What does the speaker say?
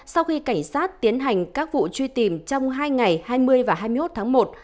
sau khi cảnh sát tiến hành các vụ truy tìm trong hai ngày hai mươi và hai mươi một tháng một